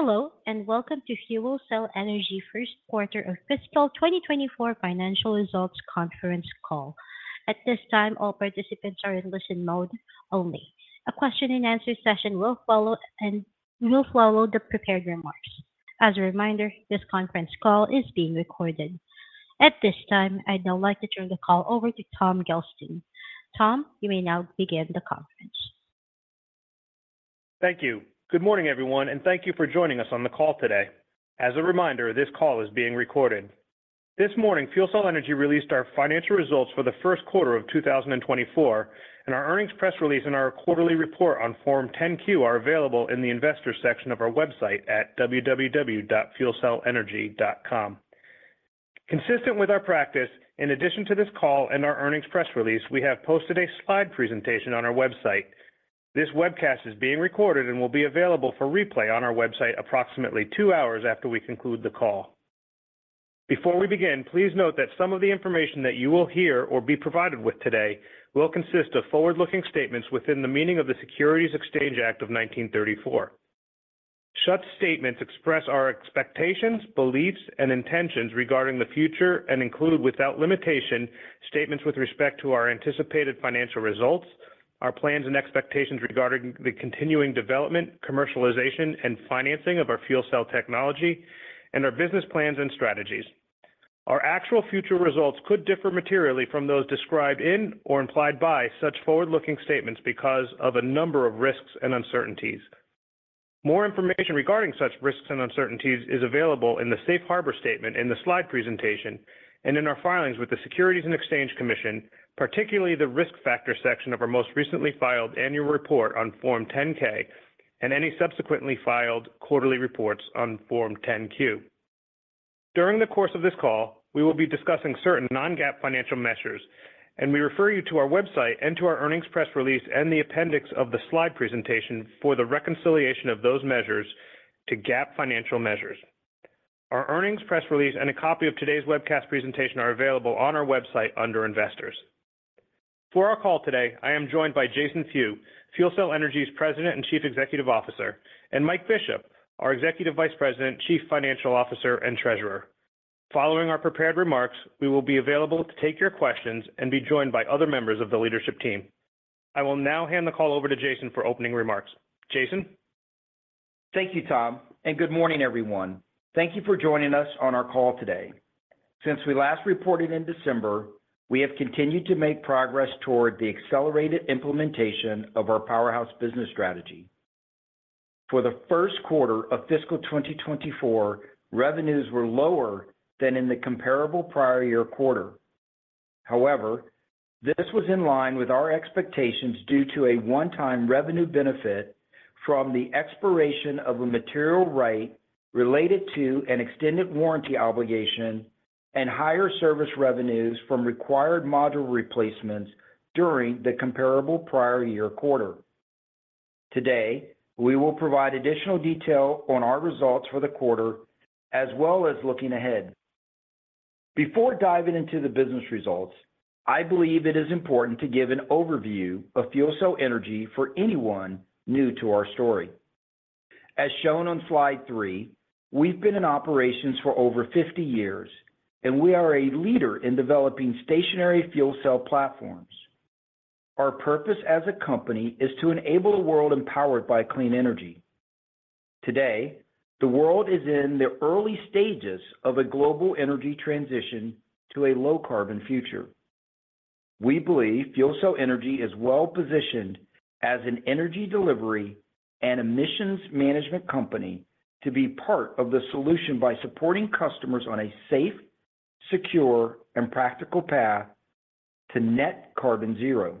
Hello and welcome to FuelCell Energy first quarter of fiscal 2024 financial results conference call. At this time, all participants are in listen mode only. A question-and-answer session will follow and we will follow the prepared remarks. As a reminder, this conference call is being recorded. At this time, I'd now like to turn the call over to Tom Gelston. Tom, you may now begin the conference. Thank you. Good morning, everyone, and thank you for joining us on the call today. As a reminder, this call is being recorded. This morning, FuelCell Energy released our financial results for the first quarter of 2024, and our earnings press release and our quarterly report on Form 10-Q are available in the investors section of our website at www.fuelcellenergy.com. Consistent with our practice, in addition to this call and our earnings press release, we have posted a slide presentation on our website. This webcast is being recorded and will be available for replay on our website approximately two hours after we conclude the call. Before we begin, please note that some of the information that you will hear or be provided with today will consist of forward-looking statements within the meaning of the Securities Exchange Act of 1934. Such statements express our expectations, beliefs, and intentions regarding the future and include, without limitation, statements with respect to our anticipated financial results, our plans and expectations regarding the continuing development, commercialization, and financing of our fuel cell technology, and our business plans and strategies. Our actual future results could differ materially from those described in or implied by such forward-looking statements because of a number of risks and uncertainties. More information regarding such risks and uncertainties is available in the Safe Harbor Statement in the slide presentation and in our filings with the Securities and Exchange Commission, particularly the risk factor section of our most recently filed annual report on Form 10-K and any subsequently filed quarterly reports on Form 10-Q. During the course of this call, we will be discussing certain non-GAAP financial measures, and we refer you to our website and to our earnings press release and the appendix of the slide presentation for the reconciliation of those measures to GAAP financial measures. Our earnings press release and a copy of today's webcast presentation are available on our website under Investors. For our call today, I am joined by Jason Few, FuelCell Energy's President and Chief Executive Officer, and Mike Bishop, our Executive Vice President, Chief Financial Officer, and Treasurer. Following our prepared remarks, we will be available to take your questions and be joined by other members of the leadership team. I will now hand the call over to Jason for opening remarks. Jason? Thank you, Tom, and good morning, everyone. Thank you for joining us on our call today. Since we last reported in December, we have continued to make progress toward the accelerated implementation of our powerhouse business strategy. For the first quarter of fiscal 2024, revenues were lower than in the comparable prior-year quarter. However, this was in line with our expectations due to a one-time revenue benefit from the expiration of a material right related to an extended warranty obligation and higher service revenues from required module replacements during the comparable prior-year quarter. Today, we will provide additional detail on our results for the quarter as well as looking ahead. Before diving into the business results, I believe it is important to give an overview of FuelCell Energy for anyone new to our story. As shown on slide 3, we've been in operations for over 50 years, and we are a leader in developing stationary fuel cell platforms. Our purpose as a company is to enable a world empowered by clean energy. Today, the world is in the early stages of a global energy transition to a low-carbon future. We believe FuelCell Energy is well-positioned as an energy delivery and emissions management company to be part of the solution by supporting customers on a safe, secure, and practical path to net carbon zero.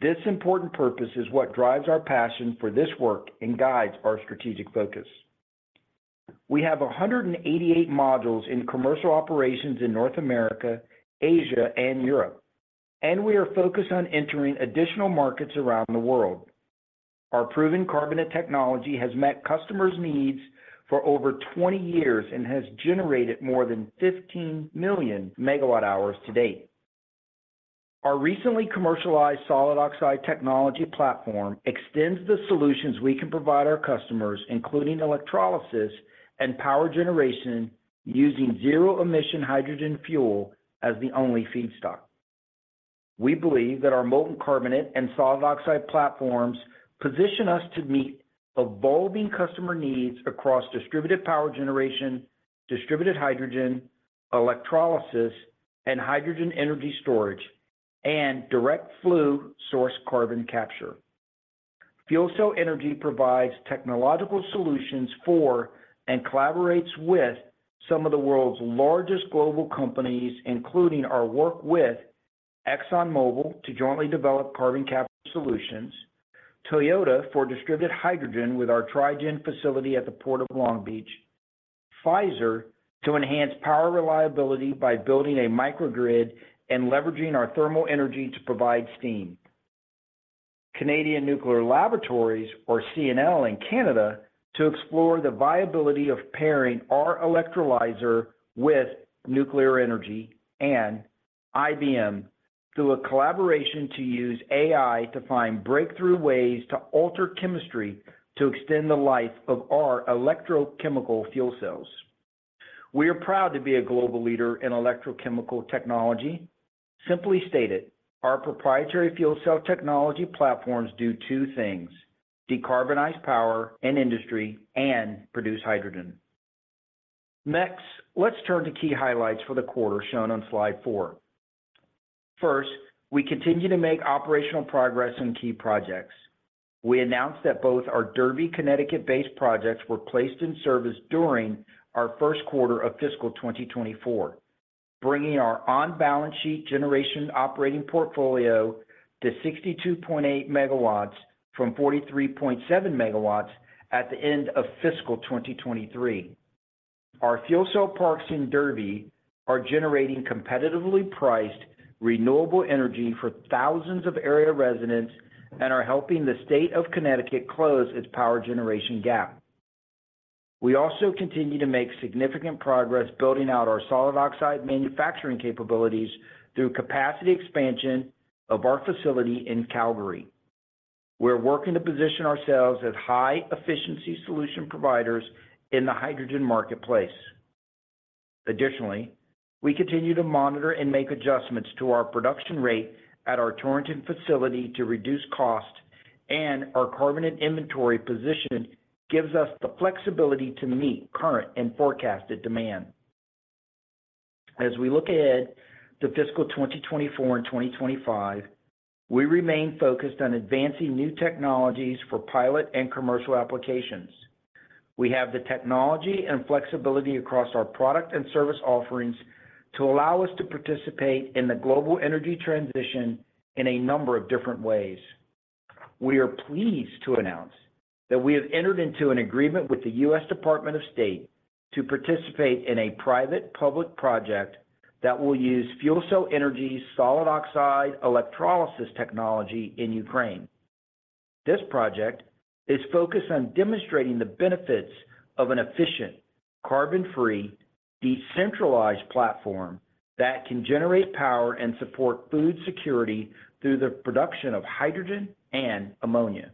This important purpose is what drives our passion for this work and guides our strategic focus. We have 188 modules in commercial operations in North America, Asia, and Europe, and we are focused on entering additional markets around the world. Our proven carbonate technology has met customers' needs for over 20 years and has generated more than 15 million MWh to date. Our recently commercialized solid oxide technology platform extends the solutions we can provide our customers, including electrolysis and power generation using zero-emission hydrogen fuel as the only feedstock. We believe that our molten carbonate and solid oxide platforms position us to meet evolving customer needs across distributed power generation, distributed hydrogen, electrolysis, and hydrogen energy storage, and direct flue-source carbon capture. FuelCell Energy provides technological solutions for and collaborates with some of the world's largest global companies, including our work with ExxonMobil to jointly develop carbon capture solutions, Toyota for distributed hydrogen with our Tri-gen facility at the Port of Long Beach, and Pfizer to enhance power reliability by building a microgrid and leveraging our thermal energy to provide steam, and Canadian Nuclear Laboratories, or CNL, in Canada to explore the viability of pairing our electrolyzer with nuclear energy, and IBM through a collaboration to use AI to find breakthrough ways to alter chemistry to extend the life of our electrochemical fuel cells. We are proud to be a global leader in electrochemical technology. Simply stated, our proprietary fuel cell technology platforms do two things: decarbonize power and industry and produce hydrogen. Next, let's turn to key highlights for the quarter shown on slide four. First, we continue to make operational progress in key projects. We announced that both our Derby, Connecticut-based projects were placed in service during our first quarter of fiscal 2024, bringing our on-balance sheet generation operating portfolio to 62.8 megawatts from 43.7 megawatts at the end of fiscal 2023. Our fuel cell parks in Derby are generating competitively priced renewable energy for thousands of area residents and are helping the state of Connecticut close its power generation gap. We also continue to make significant progress building out our solid oxide manufacturing capabilities through capacity expansion of our facility in Calgary. We're working to position ourselves as high-efficiency solution providers in the hydrogen marketplace. Additionally, we continue to monitor and make adjustments to our production rate at our Torrington facility to reduce cost, and our carbonate inventory position gives us the flexibility to meet current and forecasted demand. As we look ahead to fiscal 2024 and 2025, we remain focused on advancing new technologies for pilot and commercial applications. We have the technology and flexibility across our product and service offerings to allow us to participate in the global energy transition in a number of different ways. We are pleased to announce that we have entered into an agreement with the U.S. Department of State to participate in a private-public project that will use FuelCell Energy's solid oxide electrolysis technology in Ukraine. This project is focused on demonstrating the benefits of an efficient, carbon-free, decentralized platform that can generate power and support food security through the production of hydrogen and ammonia.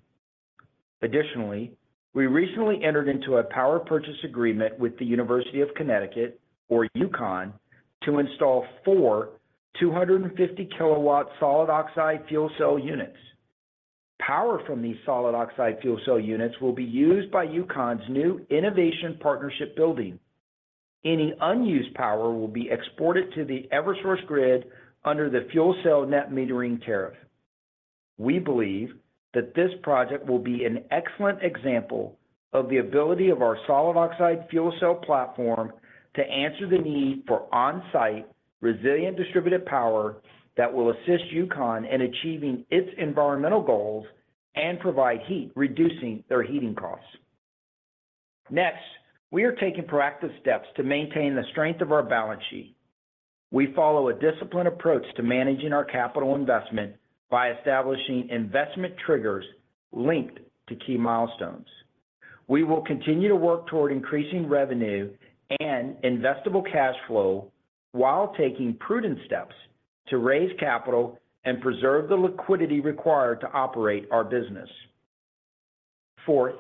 Additionally, we recently entered into a power purchase agreement with the University of Connecticut, or UConn, to install four 250-kilowatt solid oxide fuel cell units. Power from these solid oxide fuel cell units will be used by UConn's new Innovation Partnership Building. Any unused power will be exported to the Eversource grid under the fuel cell net metering tariff. We believe that this project will be an excellent example of the ability of our solid oxide fuel cell platform to answer the need for on-site, resilient distributed power that will assist UConn in achieving its environmental goals and provide heat, reducing their heating costs. Next, we are taking proactive steps to maintain the strength of our balance sheet. We follow a disciplined approach to managing our capital investment by establishing investment triggers linked to key milestones. We will continue to work toward increasing revenue and investable cash flow while taking prudent steps to raise capital and preserve the liquidity required to operate our business. Fourth,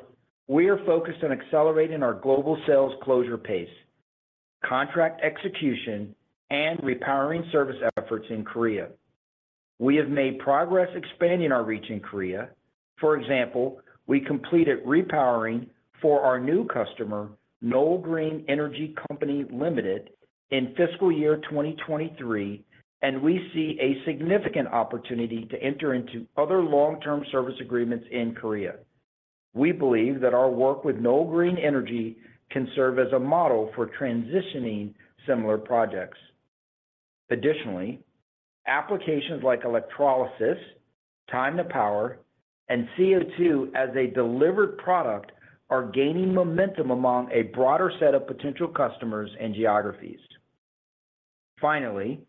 we are focused on accelerating our global sales closure pace, contract execution, and repowering service efforts in Korea. We have made progress expanding our reach in Korea. For example, we completed repowering for our new customer, Knoll Green Energy Company Limited, in fiscal year 2023, and we see a significant opportunity to enter into other long-term service agreements in Korea. We believe that our work with Knoll Green Energy can serve as a model for transitioning similar projects. Additionally, applications like electrolysis, time-to-power, and CO2 as a delivered product are gaining momentum among a broader set of potential customers and geographies. Finally,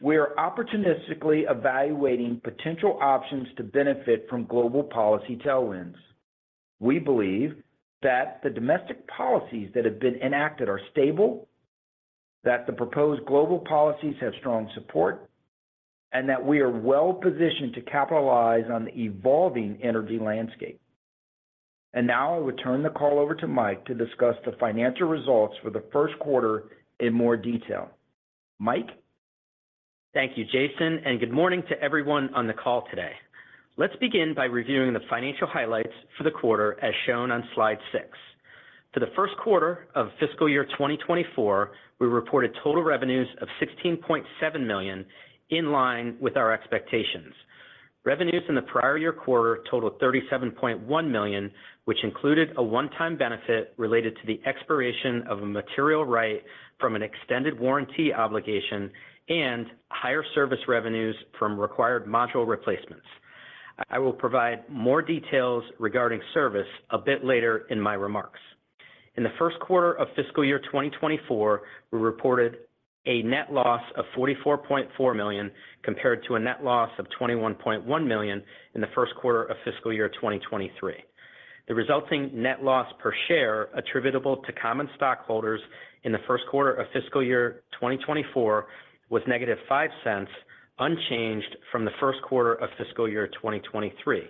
we are opportunistically evaluating potential options to benefit from global policy tailwinds. We believe that the domestic policies that have been enacted are stable, that the proposed global policies have strong support, and that we are well-positioned to capitalize on the evolving energy landscape. Now I would turn the call over to Mike to discuss the financial results for the first quarter in more detail. Mike? Thank you, Jason, and good morning to everyone on the call today. Let's begin by reviewing the financial highlights for the quarter as shown on slide 6. For the first quarter of fiscal year 2024, we reported total revenues of $16.7 million in line with our expectations. Revenues in the prior-year quarter totaled $37.1 million, which included a one-time benefit related to the expiration of a material right from an extended warranty obligation and higher service revenues from required module replacements. I will provide more details regarding service a bit later in my remarks. In the first quarter of fiscal year 2024, we reported a net loss of $44.4 million compared to a net loss of $21.1 million in the first quarter of fiscal year 2023. The resulting net loss per share attributable to common stockholders in the first quarter of fiscal year 2024 was -$0.05, unchanged from the first quarter of fiscal year 2023.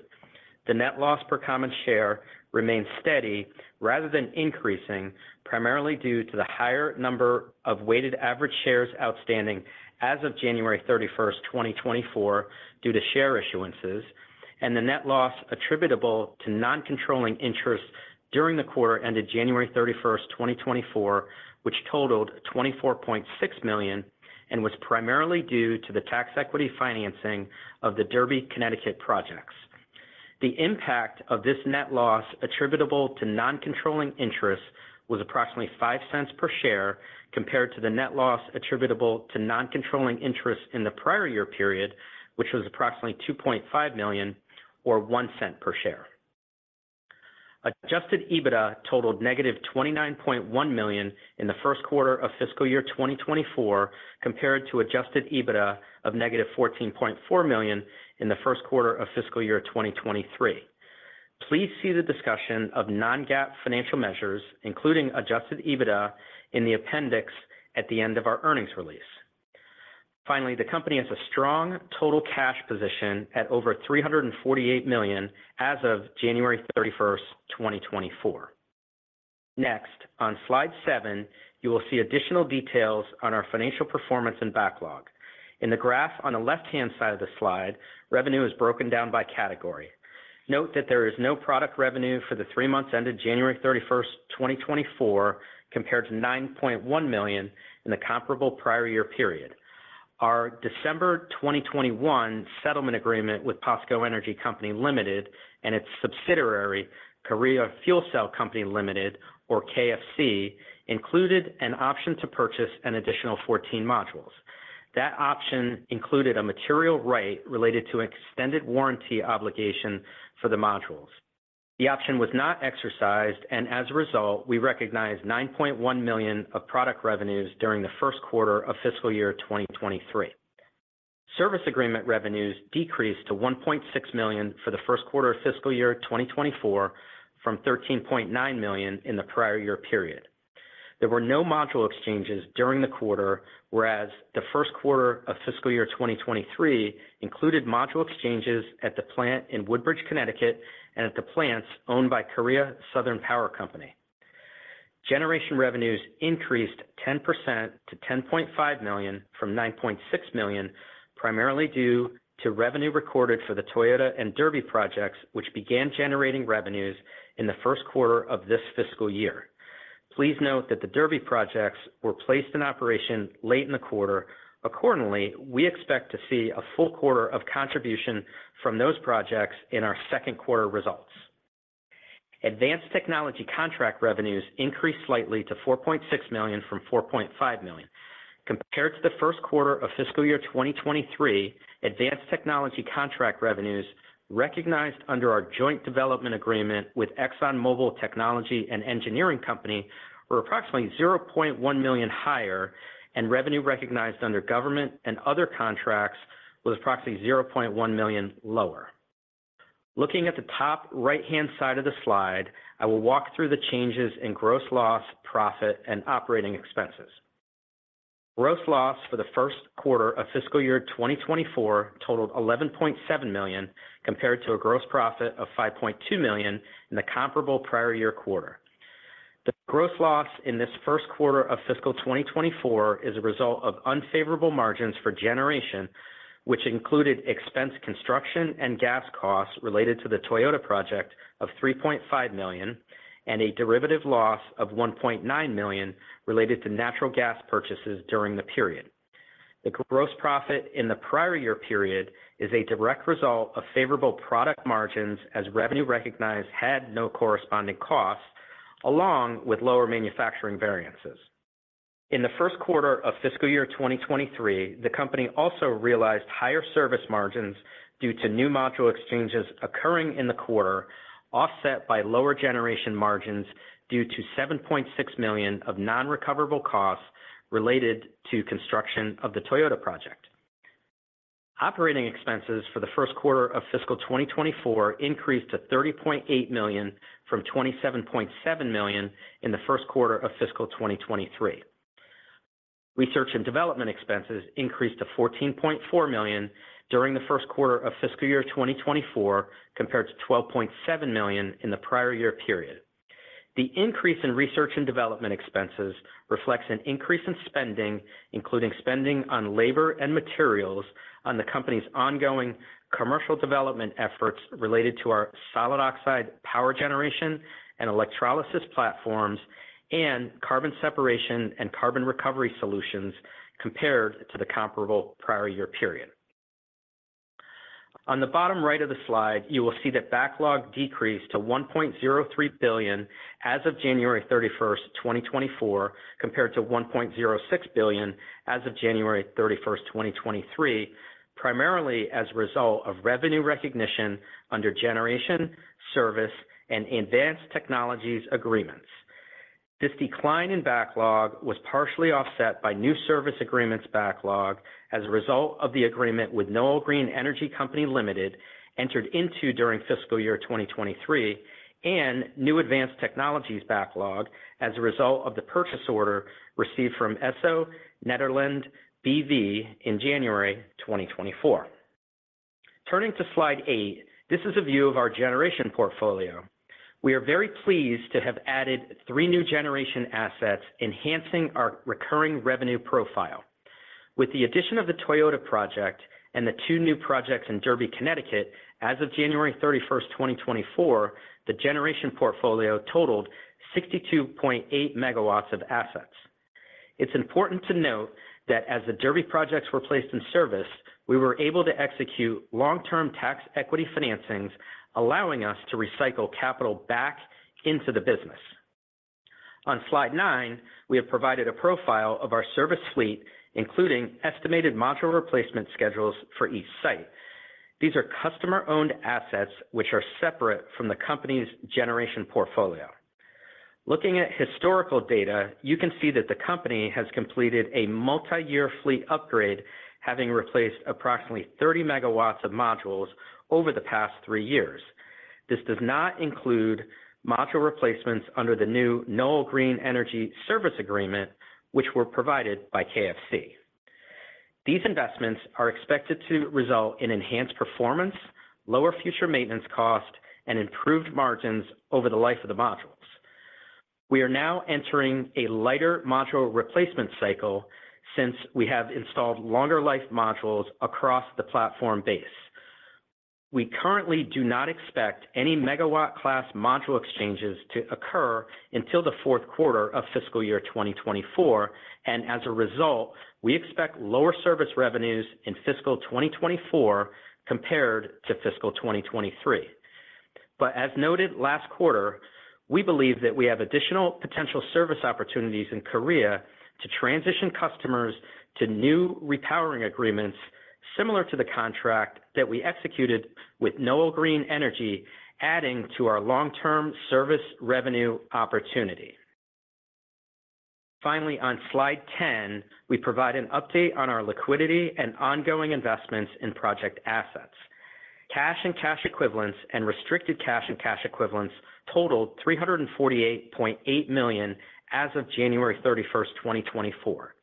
The net loss per common share remained steady rather than increasing, primarily due to the higher number of weighted average shares outstanding as of January 31, 2024, due to share issuances, and the net loss attributable to non-controlling interest during the quarter ended January 31, 2024, which totaled $24.6 million and was primarily due to the tax equity financing of the Derby, Connecticut projects. The impact of this net loss attributable to non-controlling interest was approximately $0.05 per share compared to the net loss attributable to non-controlling interest in the prior-year period, which was approximately $2.5 million or $0.01 per share. Adjusted EBITDA totaled -$29.1 million in the first quarter of fiscal year 2024 compared to adjusted EBITDA of -$14.4 million in the first quarter of fiscal year 2023. Please see the discussion of non-GAAP financial measures, including adjusted EBITDA, in the appendix at the end of our earnings release. Finally, the company has a strong total cash position at over $348 million as of January 31, 2024. Next, on slide 7, you will see additional details on our financial performance and backlog. In the graph on the left-hand side of the slide, revenue is broken down by category. Note that there is no product revenue for the three months ended January 31, 2024, compared to $9.1 million in the comparable prior-year period. Our December 2021 settlement agreement with Posco Energy Company Limited and its subsidiary, Korea Fuel Cell Company Limited, or KFC, included an option to purchase an additional 14 modules. That option included a material right related to an extended warranty obligation for the modules. The option was not exercised, and as a result, we recognized $9.1 million of product revenues during the first quarter of fiscal year 2023. Service agreement revenues decreased to $1.6 million for the first quarter of fiscal year 2024 from $13.9 million in the prior-year period. There were no module exchanges during the quarter, whereas the first quarter of fiscal year 2023 included module exchanges at the plant in Woodbridge, Connecticut, and at the plants owned by Korea Southern Power Company. Generation revenues increased 10% to $10.5 million from $9.6 million, primarily due to revenue recorded for the Toyota and Derby projects, which began generating revenues in the first quarter of this fiscal year. Please note that the Derby projects were placed in operation late in the quarter. Accordingly, we expect to see a full quarter of contribution from those projects in our second quarter results. Advanced technology contract revenues increased slightly to $4.6 million from $4.5 million. Compared to the first quarter of fiscal year 2023, advanced technology contract revenues recognized under our joint development agreement with ExxonMobil Technology and Engineering Company were approximately $0.1 million higher, and revenue recognized under government and other contracts was approximately $0.1 million lower. Looking at the top right-hand side of the slide, I will walk through the changes in gross loss, profit, and operating expenses. Gross loss for the first quarter of fiscal year 2024 totaled $11.7 million compared to a gross profit of $5.2 million in the comparable prior-year quarter. The gross loss in this first quarter of fiscal 2024 is a result of unfavorable margins for generation, which included expense construction and gas costs related to the Toyota project of $3.5 million, and a derivative loss of $1.9 million related to natural gas purchases during the period. The gross profit in the prior-year period is a direct result of favorable product margins as revenue recognized had no corresponding costs, along with lower manufacturing variances. In the first quarter of fiscal year 2023, the company also realized higher service margins due to new module exchanges occurring in the quarter, offset by lower generation margins due to $7.6 million of non-recoverable costs related to construction of the Toyota project. Operating expenses for the first quarter of fiscal 2024 increased to $30.8 million from $27.7 million in the first quarter of fiscal 2023. Research and development expenses increased to $14.4 million during the first quarter of fiscal year 2024 compared to $12.7 million in the prior-year period. The increase in research and development expenses reflects an increase in spending, including spending on labor and materials on the company's ongoing commercial development efforts related to our solid oxide power generation and electrolysis platforms, and carbon separation and carbon recovery solutions compared to the comparable prior-year period. On the bottom right of the slide, you will see that backlog decreased to $1.03 billion as of January 31, 2024, compared to $1.06 billion as of January 31, 2023, primarily as a result of revenue recognition under generation, service, and advanced technologies agreements. This decline in backlog was partially offset by new service agreements backlog as a result of the agreement with Knoll Green Energy Company Limited entered into during fiscal year 2023, and new advanced technologies backlog as a result of the purchase order received from Esso Nederland B.V. in January 2024. Turning to slide 8, this is a view of our generation portfolio. We are very pleased to have added three new generation assets enhancing our recurring revenue profile. With the addition of the Toyota project and the two new projects in Derby, Connecticut, as of January 31, 2024, the generation portfolio totaled 62.8 MW of assets. It's important to note that as the Derby projects were placed in service, we were able to execute long-term tax equity financings, allowing us to recycle capital back into the business. On slide nine, we have provided a profile of our service fleet, including estimated module replacement schedules for each site. These are customer-owned assets, which are separate from the company's generation portfolio. Looking at historical data, you can see that the company has completed a multi-year fleet upgrade, having replaced approximately 30 megawatts of modules over the past three years. This does not include module replacements under the new Knoll Green Energy service agreement, which were provided by KFC. These investments are expected to result in enhanced performance, lower future maintenance costs, and improved margins over the life of the modules. We are now entering a lighter module replacement cycle since we have installed longer-life modules across the platform base. We currently do not expect any megawatt-class module exchanges to occur until the fourth quarter of fiscal year 2024, and as a result, we expect lower service revenues in fiscal 2024 compared to fiscal 2023. But as noted last quarter, we believe that we have additional potential service opportunities in Korea to transition customers to new repowering agreements similar to the contract that we executed with Knoll Green Energy, adding to our long-term service revenue opportunity. Finally, on slide 10, we provide an update on our liquidity and ongoing investments in project assets. Cash and cash equivalents and restricted cash and cash equivalents totaled $348.8 million as of January 31, 2024.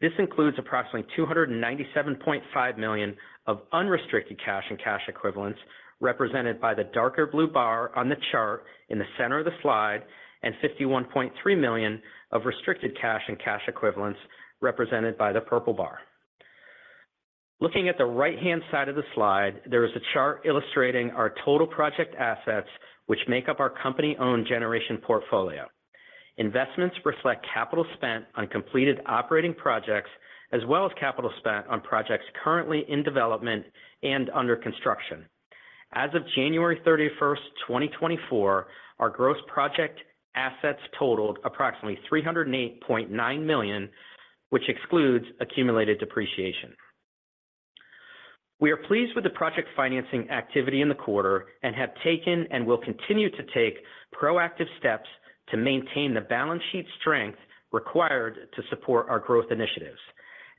This includes approximately $297.5 million of unrestricted cash and cash equivalents, represented by the darker blue bar on the chart in the center of the slide, and $51.3 million of restricted cash and cash equivalents, represented by the purple bar. Looking at the right-hand side of the slide, there is a chart illustrating our total project assets, which make up our company-owned generation portfolio. Investments reflect capital spent on completed operating projects, as well as capital spent on projects currently in development and under construction. As of January 31, 2024, our gross project assets totaled approximately $308.9 million, which excludes accumulated depreciation. We are pleased with the project financing activity in the quarter and have taken and will continue to take proactive steps to maintain the balance sheet strength required to support our growth initiatives.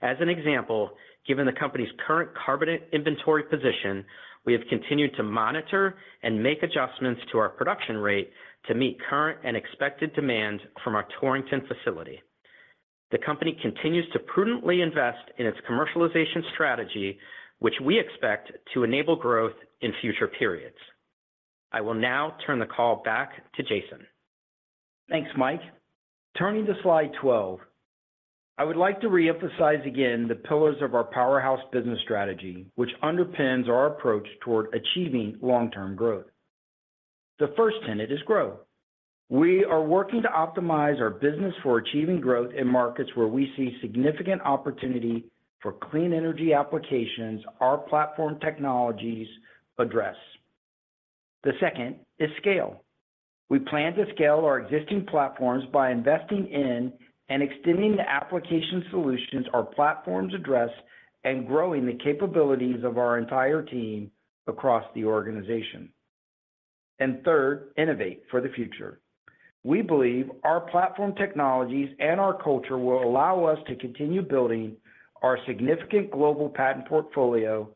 As an example, given the company's current carbon inventory position, we have continued to monitor and make adjustments to our production rate to meet current and expected demand from our Torrington facility. The company continues to prudently invest in its commercialization strategy, which we expect to enable growth in future periods. I will now turn the call back to Jason. Thanks, Mike. Turning to slide 12, I would like to reemphasize again the pillars of our Powerhouse business strategy, which underpins our approach toward achieving long-term growth. The first tenet is grow. We are working to optimize our business for achieving growth in markets where we see significant opportunity for clean energy applications our platform technologies address. The second is scale. We plan to scale our existing platforms by investing in and extending the application solutions our platforms address and growing the capabilities of our entire team across the organization. And third, innovate for the future. We believe our platform technologies and our culture will allow us to continue building our significant global patent portfolio,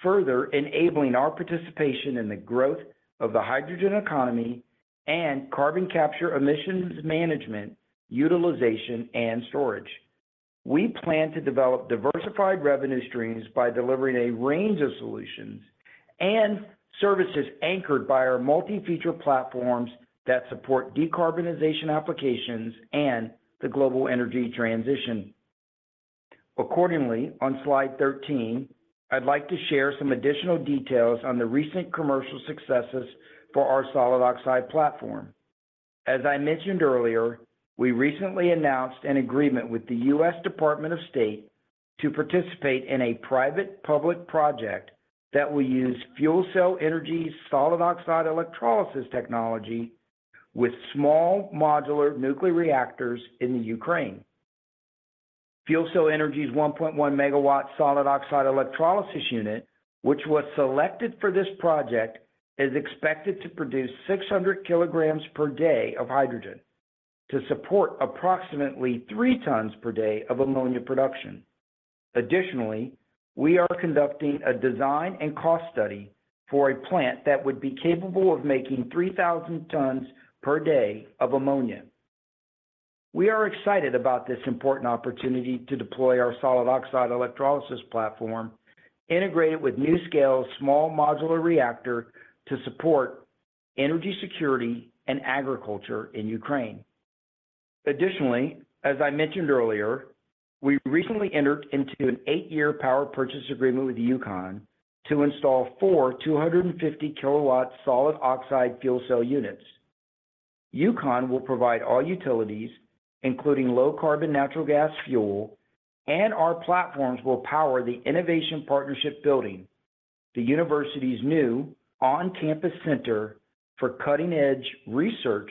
further enabling our participation in the growth of the hydrogen economy and carbon capture emissions management, utilization, and storage. We plan to develop diversified revenue streams by delivering a range of solutions and services anchored by our multi-feature platforms that support decarbonization applications and the global energy transition. Accordingly, on slide 13, I'd like to share some additional details on the recent commercial successes for our solid oxide platform. As I mentioned earlier, we recently announced an agreement with the U.S. Department of State to participate in a private-public project that will use FuelCell Energy's solid oxide electrolysis technology with small modular nuclear reactors in the Ukraine. FuelCell Energy's 1.1 MW solid oxide electrolysis unit, which was selected for this project, is expected to produce 600 kg per day of hydrogen to support approximately 3 tons per day of ammonia production. Additionally, we are conducting a design and cost study for a plant that would be capable of making 3,000 tons per day of ammonia. We are excited about this important opportunity to deploy our solid oxide electrolysis platform integrated with NuScale's small modular reactor to support energy security and agriculture in Ukraine. Additionally, as I mentioned earlier, we recently entered into an 8-year power purchase agreement with UConn to install four 250-kW solid oxide fuel cell units. UConn will provide all utilities, including low-carbon natural gas fuel, and our platforms will power the Innovation Partnership Building, the university's new on-campus center for cutting-edge research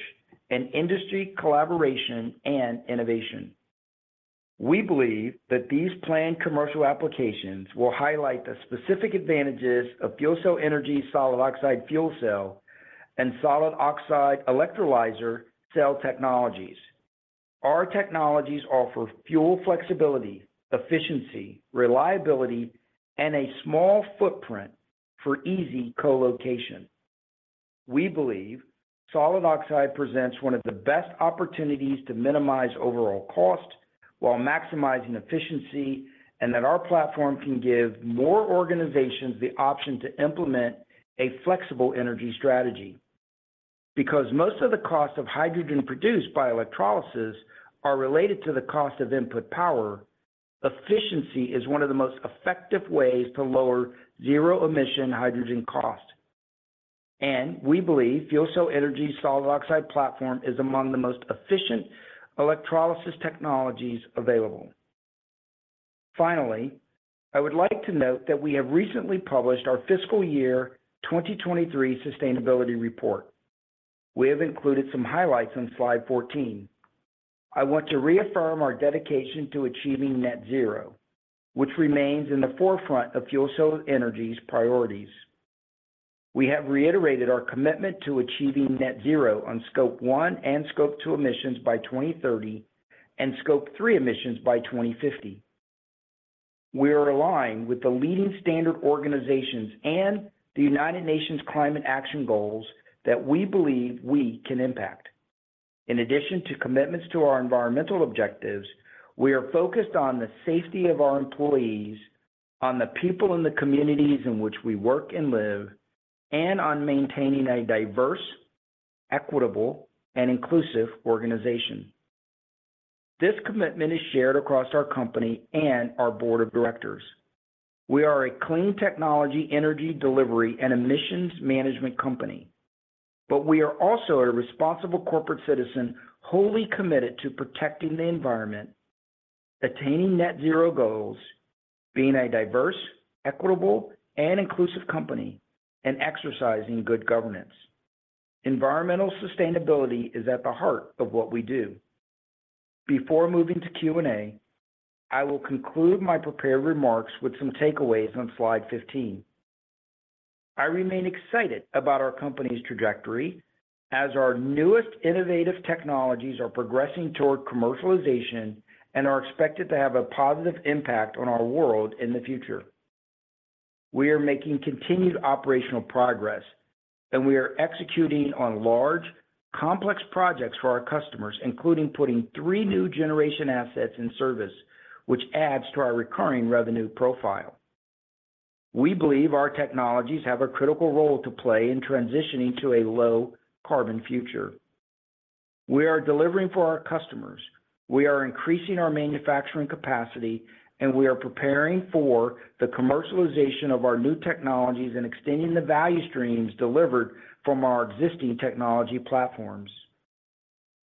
and industry collaboration and innovation. We believe that these planned commercial applications will highlight the specific advantages of FuelCell Energy's solid oxide fuel cell and solid oxide electrolyzer cell technologies. Our technologies offer fuel flexibility, efficiency, reliability, and a small footprint for easy colocation. We believe solid oxide presents one of the best opportunities to minimize overall cost while maximizing efficiency, and that our platform can give more organizations the option to implement a flexible energy strategy. Because most of the cost of hydrogen produced by electrolysis is related to the cost of input power, efficiency is one of the most effective ways to lower zero-emission hydrogen cost. We believe FuelCell Energy's solid oxide platform is among the most efficient electrolysis technologies available. Finally, I would like to note that we have recently published our fiscal year 2023 sustainability report. We have included some highlights on slide 14. I want to reaffirm our dedication to achieving net zero, which remains in the forefront of FuelCell Energy's priorities. We have reiterated our commitment to achieving net zero on scope one and scope two emissions by 2030 and scope three emissions by 2050. We are aligned with the leading standard organizations and the United Nations Climate Action Goals that we believe we can impact. In addition to commitments to our environmental objectives, we are focused on the safety of our employees, on the people in the communities in which we work and live, and on maintaining a diverse, equitable, and inclusive organization. This commitment is shared across our company and our board of directors. We are a clean technology energy delivery and emissions management company, but we are also a responsible corporate citizen wholly committed to protecting the environment, attaining net zero goals, being a diverse, equitable, and inclusive company, and exercising good governance. Environmental sustainability is at the heart of what we do. Before moving to Q&A, I will conclude my prepared remarks with some takeaways on slide 15. I remain excited about our company's trajectory as our newest innovative technologies are progressing toward commercialization and are expected to have a positive impact on our world in the future. We are making continued operational progress, and we are executing on large, complex projects for our customers, including putting three new generation assets in service, which adds to our recurring revenue profile. We believe our technologies have a critical role to play in transitioning to a low-carbon future. We are delivering for our customers, we are increasing our manufacturing capacity, and we are preparing for the commercialization of our new technologies and extending the value streams delivered from our existing technology platforms.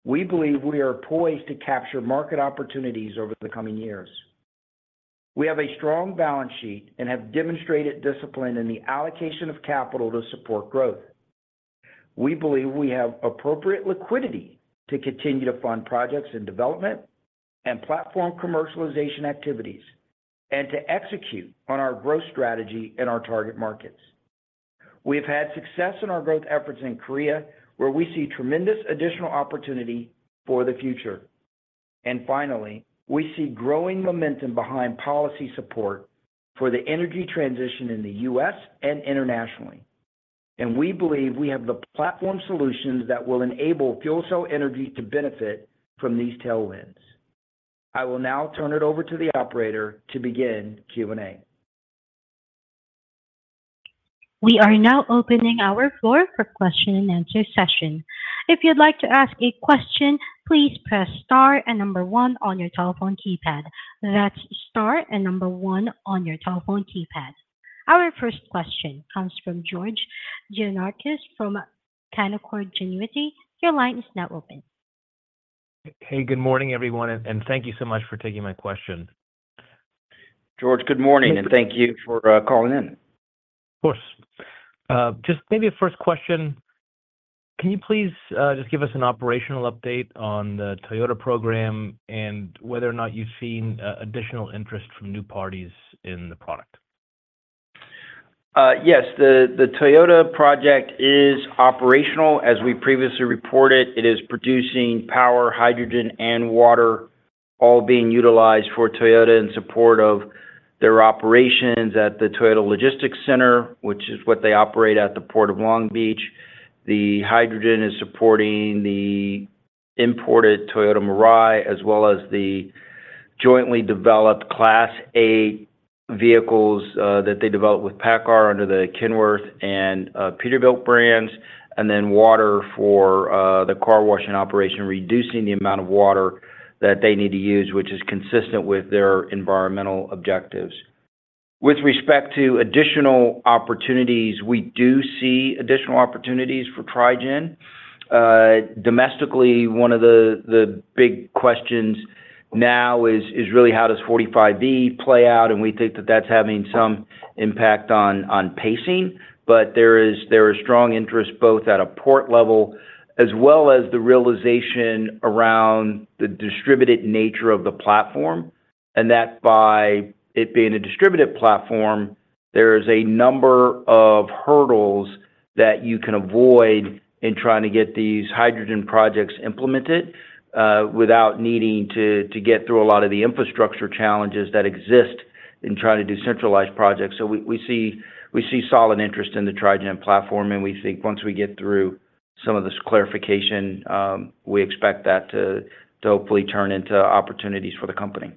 We believe we are poised to capture market opportunities over the coming years. We have a strong balance sheet and have demonstrated discipline in the allocation of capital to support growth. We believe we have appropriate liquidity to continue to fund projects in development and platform commercialization activities and to execute on our growth strategy in our target markets. We have had success in our growth efforts in Korea, where we see tremendous additional opportunity for the future. Finally, we see growing momentum behind policy support for the energy transition in the U.S. and internationally. We believe we have the platform solutions that will enable FuelCell Energy to benefit from these tailwinds. I will now turn it over to the operator to begin Q&A. We are now opening our floor for question-and-answer session. If you'd like to ask a question, please press star and number one on your telephone keypad. That's star and number one on your telephone keypad. Our first question comes from George Gianarikas from Canaccord Genuity. Your line is now open. Hey, good morning, everyone, and thank you so much for taking my question. George, good morning, and thank you for calling in. Of course. Just maybe a first question. Can you please just give us an operational update on the Toyota program and whether or not you've seen additional interest from new parties in the product? Yes. The Toyota project is operational. As we previously reported, it is producing power, hydrogen, and water, all being utilized for Toyota in support of their operations at the Toyota Logistics Center, which is what they operate at the Port of Long Beach. The hydrogen is supporting the imported Toyota Mirai as well as the jointly developed Class 8 vehicles that they develop with PACCAR under the Kenworth and Peterbilt brands, and then water for the car washing operation, reducing the amount of water that they need to use, which is consistent with their environmental objectives. With respect to additional opportunities, we do see additional opportunities for Tri-gen. Domestically, one of the big questions now is really, how does 45V play out? We think that that's having some impact on pacing. There is strong interest both at a port level as well as the realization around the distributed nature of the platform. That by it being a distributed platform, there is a number of hurdles that you can avoid in trying to get these hydrogen projects implemented without needing to get through a lot of the infrastructure challenges that exist in trying to do centralized projects. We see solid interest in the Tri-gen platform, and we think once we get through some of this clarification, we expect that to hopefully turn into opportunities for the company.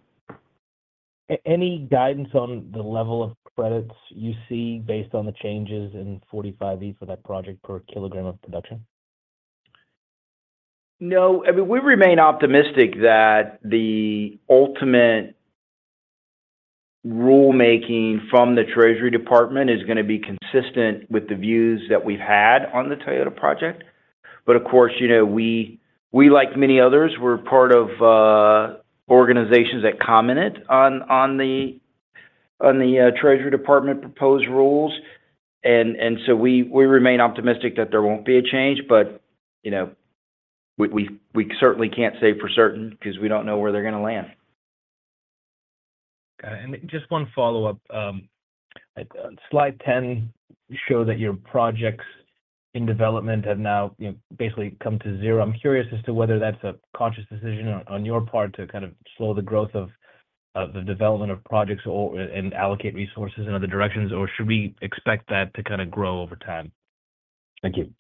Any guidance on the level of credits you see based on the changes in 45V for that project per kilogram of production? No. I mean, we remain optimistic that the ultimate rulemaking from the Treasury Department is going to be consistent with the views that we've had on the Toyota project. But of course, we're like many others. We're part of organizations that comment on the Treasury Department proposed rules. And so we remain optimistic that there won't be a change, but we certainly can't say for certain because we don't know where they're going to land. Got it. And just one follow-up. Slide 10 showed that your projects in development have now basically come to zero. I'm curious as to whether that's a conscious decision on your part to kind of slow the growth of the development of projects and allocate resources in other directions, or should we expect that to kind of grow over time? Thank you.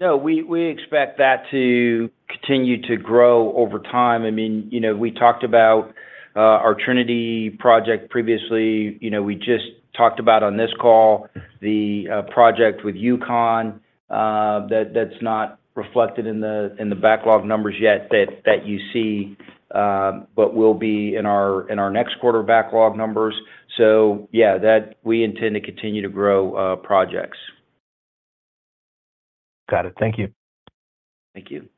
No, we expect that to continue to grow over time. I mean, we talked about our Tri-gen project previously. We just talked about on this call the project with UConn. That's not reflected in the backlog numbers yet that you see but will be in our next quarter backlog numbers. So yeah, we intend to continue to grow projects. Got it. Thank you. Thank you.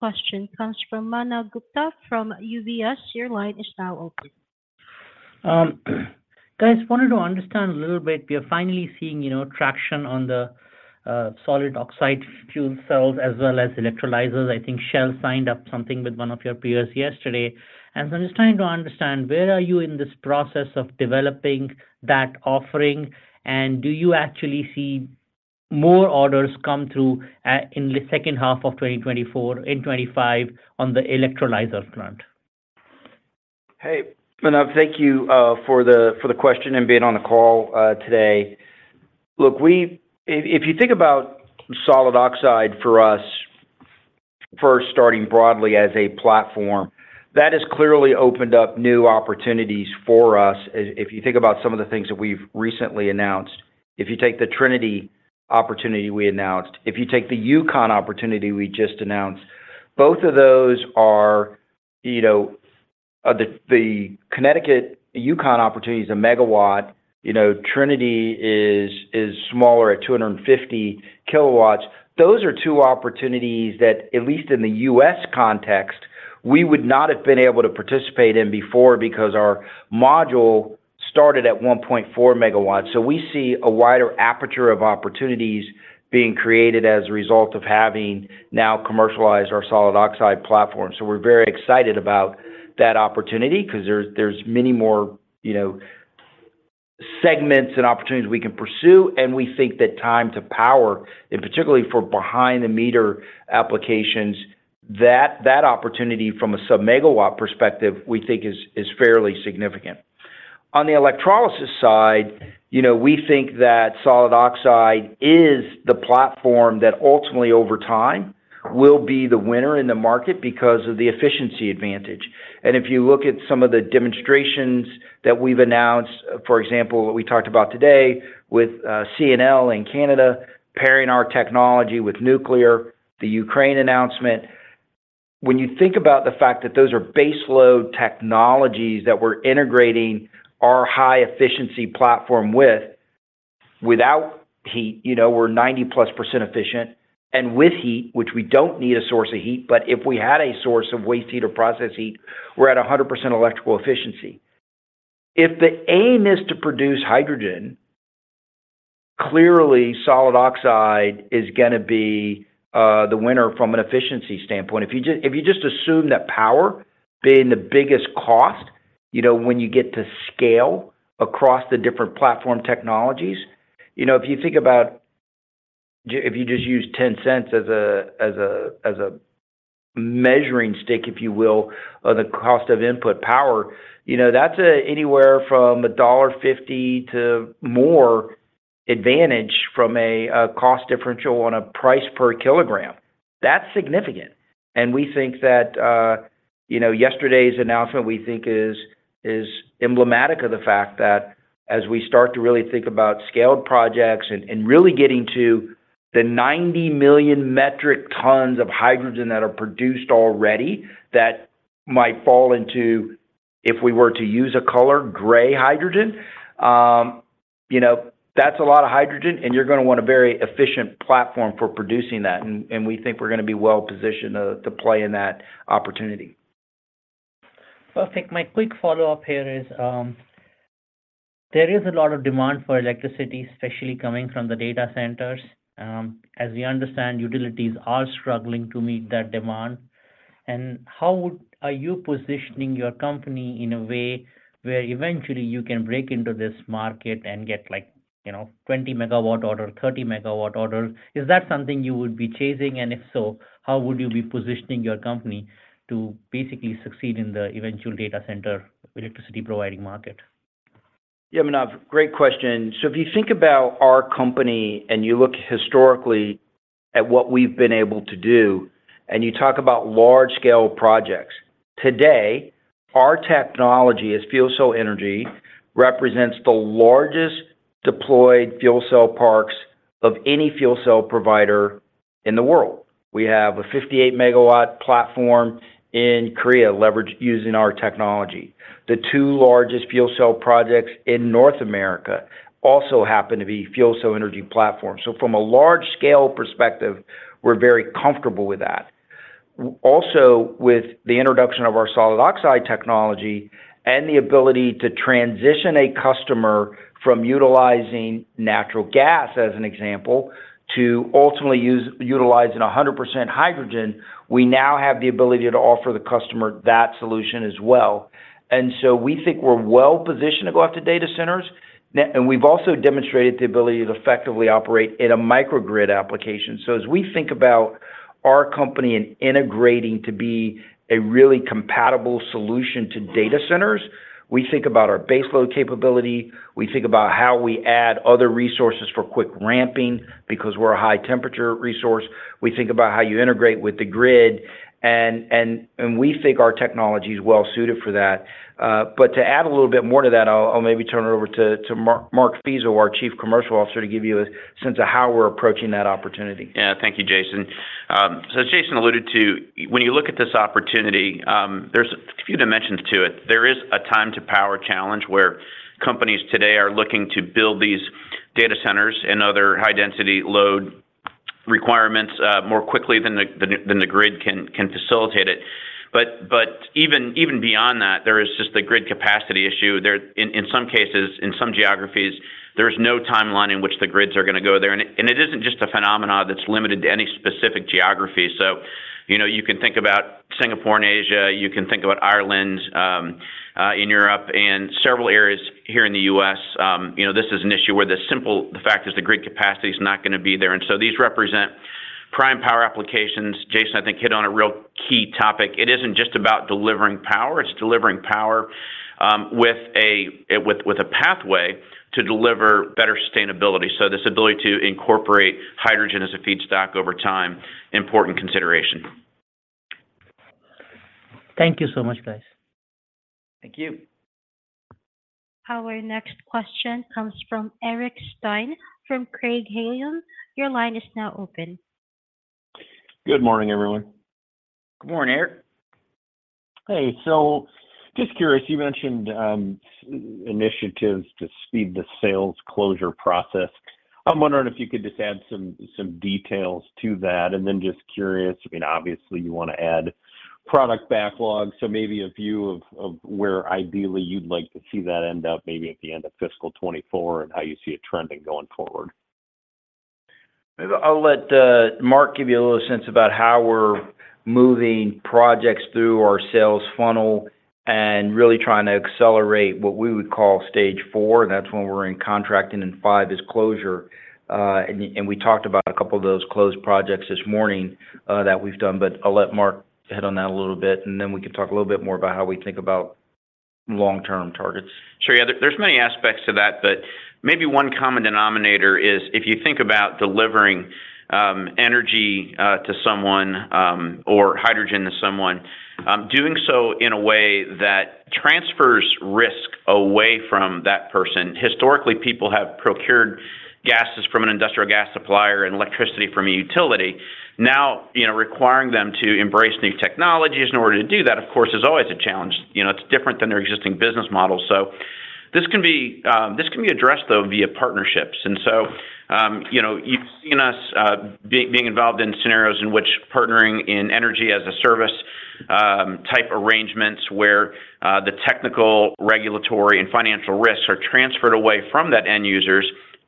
Question comes from Manav Gupta from UBS. Your line is now open. Guys, I wanted to understand a little bit. We are finally seeing traction on the solid oxide fuel cells as well as electrolyzers. I think Shell signed up something with one of your peers yesterday. So I'm just trying to understand, where are you in this process of developing that offering, and do you actually see more orders come through in the second half of 2024, in 2025, on the electrolyzer plant? Hey, Manav, thank you for the question and being on the call today. Look, if you think about solid oxide for us, first starting broadly as a platform, that has clearly opened up new opportunities for us. If you think about some of the things that we've recently announced, if you take the Trinity opportunity we announced, if you take the UConn opportunity we just announced, both of those are. The Connecticut UConn opportunity is 1 MW. Trinity is smaller at 250 kW. Those are two opportunities that, at least in the U.S. context, we would not have been able to participate in before because our module started at 1.4 MW. So we see a wider aperture of opportunities being created as a result of having now commercialized our solid oxide platform. So we're very excited about that opportunity because there's many more segments and opportunities we can pursue. We think that time to power, and particularly for behind-the-meter applications, that opportunity from a sub-megawatt perspective, we think is fairly significant. On the electrolysis side, we think that solid oxide is the platform that ultimately, over time, will be the winner in the market because of the efficiency advantage. If you look at some of the demonstrations that we've announced, for example, what we talked about today with CNL in Canada pairing our technology with nuclear, the Ukraine announcement, when you think about the fact that those are baseload technologies that we're integrating our high-efficiency platform with, without heat, we're 90%+ efficient. With heat, which we don't need a source of heat, but if we had a source of waste heat or process heat, we're at 100% electrical efficiency. If the aim is to produce hydrogen, clearly, solid oxide is going to be the winner from an efficiency standpoint. If you just assume that power being the biggest cost when you get to scale across the different platform technologies, if you think about if you just use $0.10 as a measuring stick, if you will, of the cost of input power, that's anywhere from a $1.50 to more advantage from a cost differential on a price per kilogram. That's significant. And we think that yesterday's announcement, we think, is emblematic of the fact that as we start to really think about scaled projects and really getting to the 90 million metric tons of hydrogen that are produced already that might fall into, if we were to use a color, gray hydrogen, that's a lot of hydrogen, and you're going to want a very efficient platform for producing that. We think we're going to be well-positioned to play in that opportunity. Well, I think my quick follow-up here is there is a lot of demand for electricity, especially coming from the data centers. As we understand, utilities are struggling to meet that demand. And how are you positioning your company in a way where eventually you can break into this market and get 20-megawatt order, 30-megawatt order? Is that something you would be chasing? And if so, how would you be positioning your company to basically succeed in the eventual data center electricity-providing market? Yeah, Manav, great question. So if you think about our company and you look historically at what we've been able to do and you talk about large-scale projects, today, our technology, as FuelCell Energy, represents the largest deployed fuel cell parks of any fuel cell provider in the world. We have a 58-megawatt platform in Korea using our technology. The two largest fuel cell projects in North America also happen to be FuelCell Energy platforms. So from a large-scale perspective, we're very comfortable with that. Also, with the introduction of our solid oxide technology and the ability to transition a customer from utilizing natural gas, as an example, to ultimately utilizing 100% hydrogen, we now have the ability to offer the customer that solution as well. And so we think we're well-positioned to go after data centers. And we've also demonstrated the ability to effectively operate in a microgrid application. As we think about our company and integrating to be a really compatible solution to data centers, we think about our baseload capability. We think about how we add other resources for quick ramping because we're a high-temperature resource. We think about how you integrate with the grid. We think our technology is well-suited for that. To add a little bit more to that, I'll maybe turn it over to Mark Feasel, our Chief Commercial Officer, to give you a sense of how we're approaching that opportunity. Yeah, thank you, Jason. So as Jason alluded to, when you look at this opportunity, there's a few dimensions to it. There is a time-to-power challenge where companies today are looking to build these data centers and other high-density load requirements more quickly than the grid can facilitate it. But even beyond that, there is just the grid capacity issue. In some cases, in some geographies, there is no timeline in which the grids are going to go there. And it isn't just a phenomenon that's limited to any specific geography. So you can think about Singapore, in Asia. You can think about Ireland, in Europe, and several areas here in the U.S. This is an issue where the simple fact is the grid capacity is not going to be there. And so these represent prime power applications. Jason, I think, hit on a real key topic. It isn't just about delivering power. It's delivering power with a pathway to deliver better sustainability. So this ability to incorporate hydrogen as a feedstock over time, important consideration. Thank you so much, guys. Thank you. Our next question comes from Eric Stine from Craig-Hallum. Your line is now open. Good morning, everyone. Good morning, Eric. Hey. So just curious, you mentioned initiatives to speed the sales closure process. I'm wondering if you could just add some details to that. And then just curious, I mean, obviously, you want to add product backlog. So maybe a view of where ideally you'd like to see that end up, maybe at the end of fiscal 2024 and how you see it trending going forward. I'll let Mark give you a little sense about how we're moving projects through our sales funnel and really trying to accelerate what we would call stage four. That's when we're in contracting and five is closure. We talked about a couple of those closed projects this morning that we've done. But I'll let Mark hit on that a little bit, and then we can talk a little bit more about how we think about long-term targets. Sure. Yeah, there's many aspects to that, but maybe one common denominator is if you think about delivering energy to someone or hydrogen to someone, doing so in a way that transfers risk away from that person. Historically, people have procured gases from an industrial gas supplier and electricity from a utility. Now, requiring them to embrace new technologies in order to do that, of course, is always a challenge. It's different than their existing business models. So this can be addressed, though, via partnerships. And so you've seen us being involved in scenarios in which partnering in energy as a service type arrangements where the technical, regulatory, and financial risks are transferred away from that end user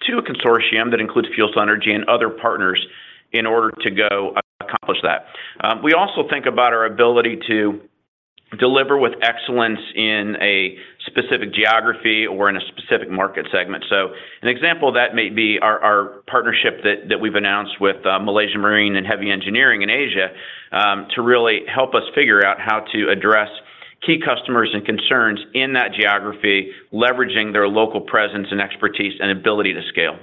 to a consortium that includes FuelCell Energy and other partners in order to go accomplish that. We also think about our ability to deliver with excellence in a specific geography or in a specific market segment. So an example of that may be our partnership that we've announced with Malaysia Marine and Heavy Engineering in Asia to really help us figure out how to address key customers and concerns in that geography, leveraging their local presence and expertise and ability to scale.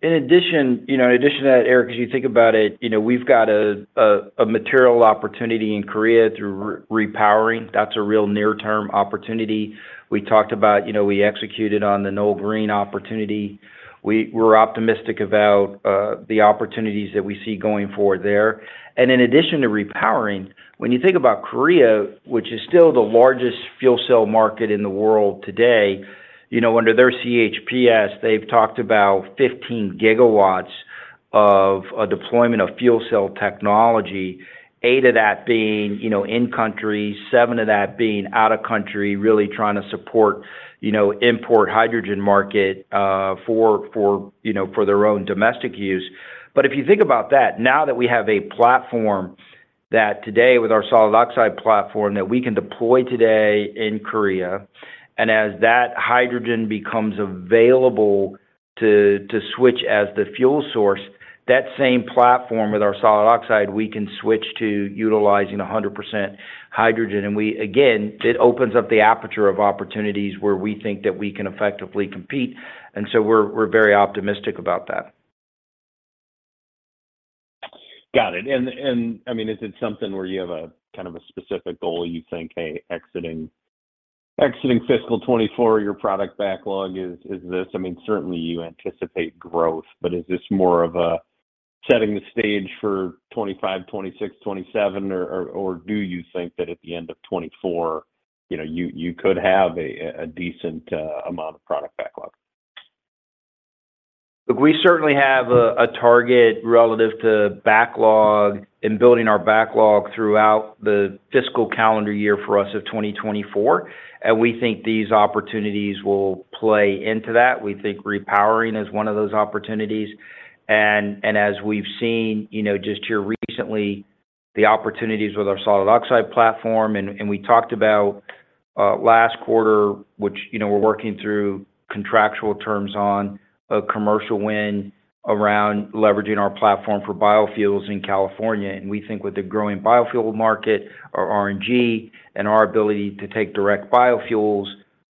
In addition to that, Eric, as you think about it, we've got a material opportunity in Korea through repowering. That's a real near-term opportunity. We talked about we executed on the Knoll Green opportunity. We're optimistic about the opportunities that we see going forward there. And in addition to repowering, when you think about Korea, which is still the largest fuel cell market in the world today, under their CHPS, they've talked about 15 gigawatts of deployment of fuel cell technology, 8 of that being in-country, 7 of that being out of country, really trying to support import hydrogen market for their own domestic use. But if you think about that, now that we have a platform that today, with our solid oxide platform, that we can deploy today in Korea, and as that hydrogen becomes available to switch as the fuel source, that same platform with our solid oxide, we can switch to utilizing 100% hydrogen. And again, it opens up the aperture of opportunities where we think that we can effectively compete. And so we're very optimistic about that. Got it. And I mean, is it something where you have a kind of a specific goal you think, "Hey, exiting fiscal 2024, your product backlog is this"? I mean, certainly, you anticipate growth, but is this more of a setting the stage for 2025, 2026, 2027, or do you think that at the end of 2024, you could have a decent amount of product backlog? Look, we certainly have a target relative to backlog and building our backlog throughout the fiscal calendar year for us of 2024. And we think these opportunities will play into that. We think repowering is one of those opportunities. And as we've seen just here recently, the opportunities with our solid oxide platform, and we talked about last quarter, which we're working through contractual terms on a commercial win around leveraging our platform for biofuels in California. And we think with the growing biofuel market, our R&D, and our ability to take direct biofuels,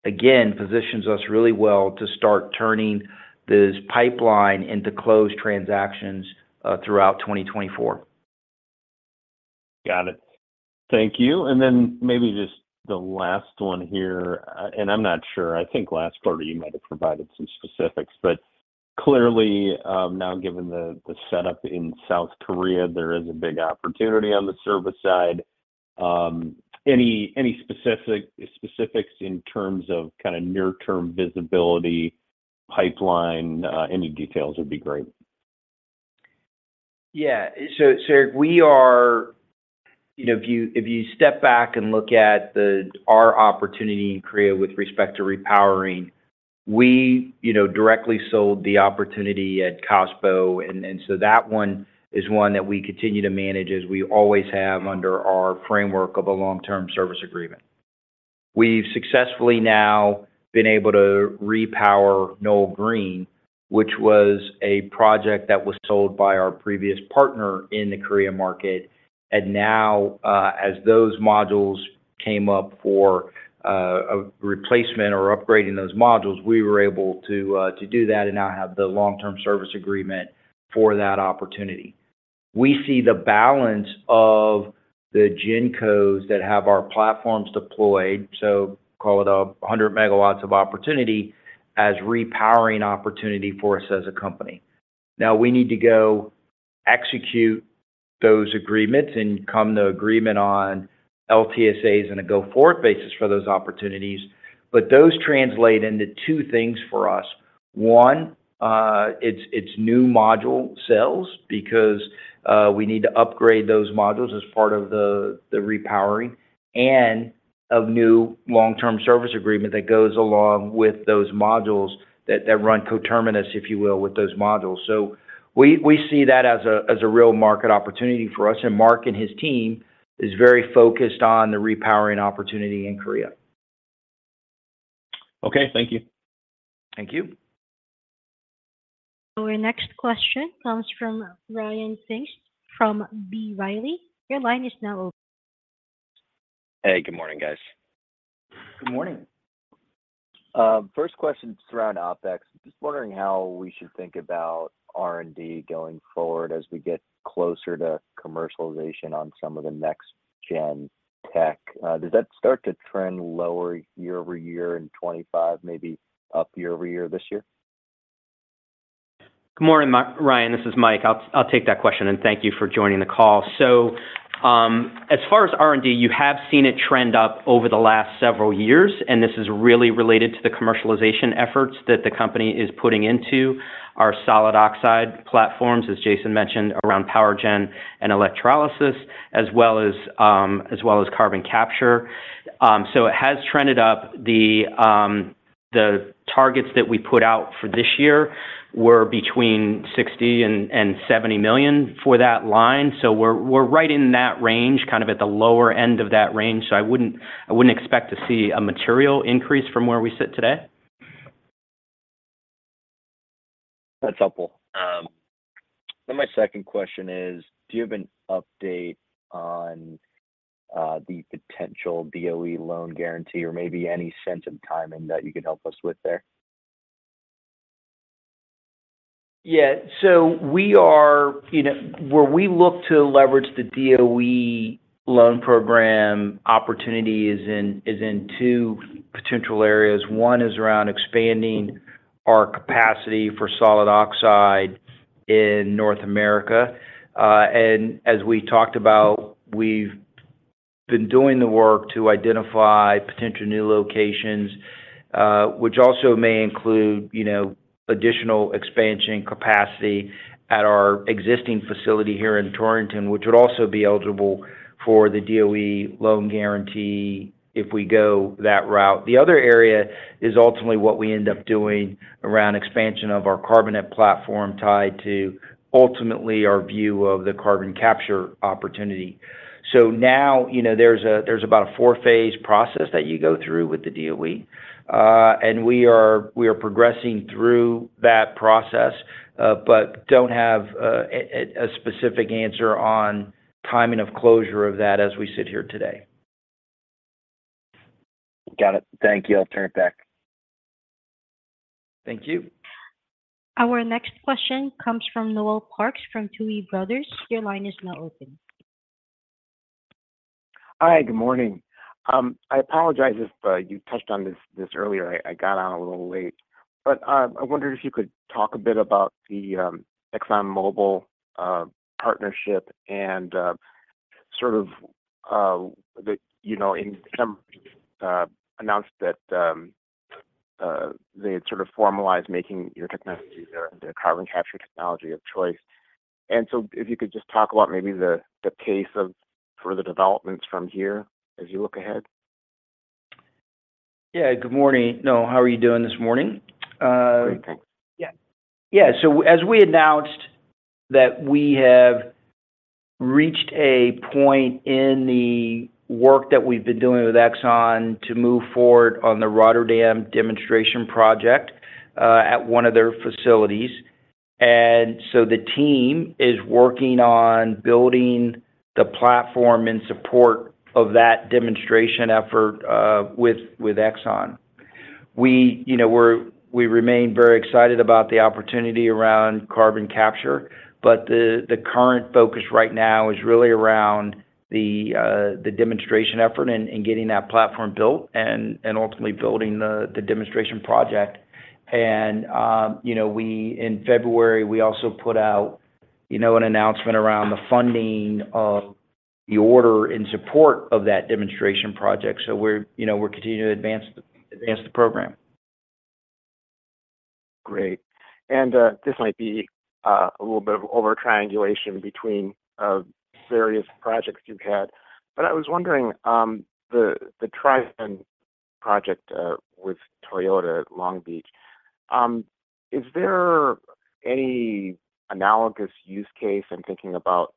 again, positions us really well to start turning this pipeline into closed transactions throughout 2024. Got it. Thank you. Then maybe just the last one here. I'm not sure. I think last quarter, you might have provided some specifics. But clearly, now given the setup in South Korea, there is a big opportunity on the service side. Any specifics in terms of kind of near-term visibility, pipeline, any details would be great. Yeah. So Eric, we are, if you step back and look at our opportunity in Korea with respect to repowering, we directly sold the opportunity at KOSPO. And so that one is one that we continue to manage as we always have under our framework of a long-term service agreement. We've successfully now been able to repower Knoll Green, which was a project that was sold by our previous partner in the Korea market. And now, as those modules came up for replacement or upgrading those modules, we were able to do that and now have the long-term service agreement for that opportunity. We see the balance of the GEN codes that have our platforms deployed, so call it 100 megawatts of opportunity, as repowering opportunity for us as a company. Now, we need to go execute those agreements and come to agreement on LTSAs and a go-forward basis for those opportunities. But those translate into two things for us. One, it's new module sales because we need to upgrade those modules as part of the repowering and a new long-term service agreement that goes along with those modules that run coterminous, if you will, with those modules. So we see that as a real market opportunity for us. Mark and his team is very focused on the repowering opportunity in Korea. Okay. Thank you. Thank you. Our next question comes from Ryan Pfingst from B. Riley. Your line is now open. Hey, good morning, guys. Good morning. First question is around OpEx. Just wondering how we should think about R&D going forward as we get closer to commercialization on some of the next-gen tech. Does that start to trend lower year-over-year in 2025, maybe up year-over-year this year? Good morning, Ryan. This is Mike. I'll take that question. Thank you for joining the call. As far as R&D, you have seen it trend up over the last several years. This is really related to the commercialization efforts that the company is putting into our solid oxide platforms, as Jason mentioned, around PowerGen and electrolysis, as well as carbon capture. It has trended up. The targets that we put out for this year were between $60 million and $70 million for that line. We're right in that range, kind of at the lower end of that range. I wouldn't expect to see a material increase from where we sit today. That's helpful. Then my second question is, do you have an update on the potential DOE loan guarantee or maybe any sense of timing that you could help us with there? Yeah. So where we look to leverage the DOE loan program opportunity is in two potential areas. One is around expanding our capacity for solid oxide in North America. And as we talked about, we've been doing the work to identify potential new locations, which also may include additional expansion capacity at our existing facility here in Torrington, which would also be eligible for the DOE loan guarantee if we go that route. The other area is ultimately what we end up doing around expansion of our CarbonNet platform tied to, ultimately, our view of the carbon capture opportunity. So now, there's about a four-phase process that you go through with the DOE. And we are progressing through that process but don't have a specific answer on timing of closure of that as we sit here today. Got it. Thank you. I'll turn it back. Thank you. Our next question comes from Noel Parks from Tuohy Brothers. Your line is now open. Hi. Good morning. I apologize if you touched on this earlier. I got on a little late. But I wondered if you could talk a bit about the ExxonMobil partnership and, sort of, in December, announced that they had sort of formalized making your technology their carbon capture technology of choice. And so if you could just talk about maybe the pace of further developments from here as you look ahead. Yeah. Good morning. No, how are you doing this morning? Great. Thanks. Yeah. Yeah. So as we announced that we have reached a point in the work that we've been doing with Exxon to move forward on the Rotterdam demonstration project at one of their facilities. And so the team is working on building the platform in support of that demonstration effort with Exxon. We remain very excited about the opportunity around carbon capture, but the current focus right now is really around the demonstration effort and getting that platform built and ultimately building the demonstration project. And in February, we also put out an announcement around the funding of the order in support of that demonstration project. So we're continuing to advance the program. Great. And this might be a little bit of over-triangulation between various projects you've had. But I was wondering, the Tri-gen project with Toyota Long Beach, is there any analogous use case in thinking about,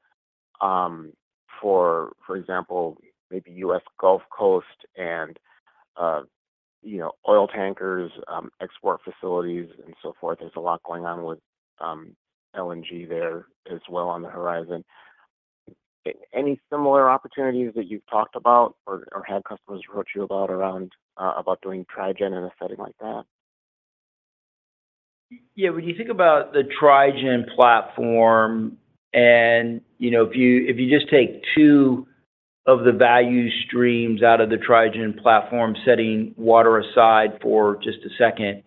for example, maybe U.S. Gulf Coast and oil tankers, export facilities, and so forth? There's a lot going on with LNG there as well on the horizon. Any similar opportunities that you've talked about or had customers approach you about doing Tri-gen in a setting like that? Yeah. When you think about the Tri-gen platform and if you just take two of the value streams out of the Tri-gen platform, setting water aside for just a second,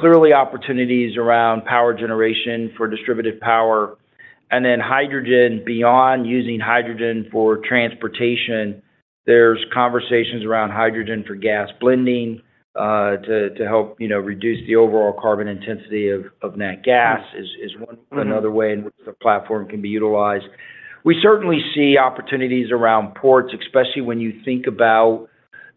clearly, opportunities around power generation for distributed power. And then hydrogen, beyond using hydrogen for transportation, there's conversations around hydrogen for gas blending to help reduce the overall carbon intensity of natural gas, is another way in which the platform can be utilized. We certainly see opportunities around ports, especially when you think about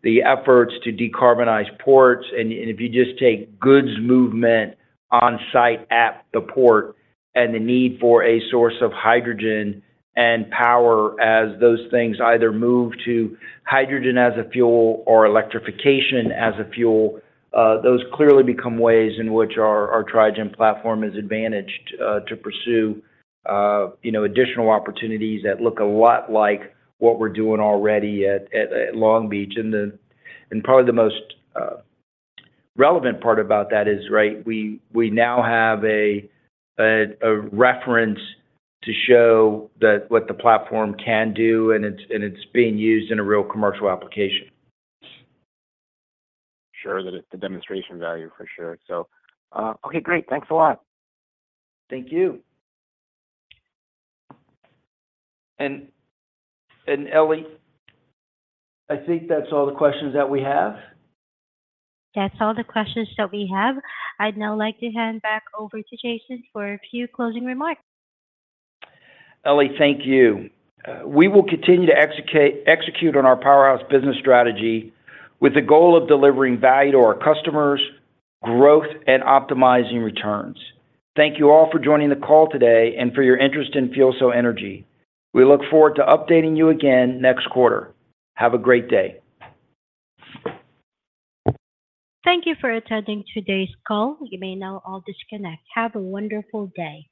the efforts to decarbonize ports. If you just take goods movement on-site at the port and the need for a source of hydrogen and power as those things either move to hydrogen as a fuel or electrification as a fuel, those clearly become ways in which our Tri-gen platform is advantaged to pursue additional opportunities that look a lot like what we're doing already at Long Beach. Probably the most relevant part about that is, right, we now have a reference to show what the platform can do, and it's being used in a real commercial application. Sure. The demonstration value, for sure. So okay. Great. Thanks a lot. Thank you. Ellie, I think that's all the questions that we have. That's all the questions that we have. I'd now like to hand back over to Jason for a few closing remarks. Ellie, thank you. We will continue to execute on our Powerhouse business strategy with the goal of delivering value to our customers, growth, and optimizing returns. Thank you all for joining the call today and for your interest in FuelCell Energy. We look forward to updating you again next quarter. Have a great day. Thank you for attending today's call. You may now all disconnect. Have a wonderful day.